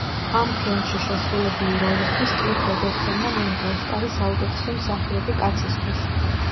ამ ფილმში შესრულებული როლისთვის კლიფ რობერტსონმა მიიღო ოსკარი საუკეთესო მსახიობი კაცისთვის.